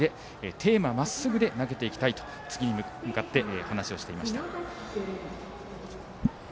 テーマは、まっすぐで投げていきたいと次に向かって話していました。